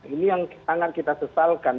ini yang sangat kita sesalkan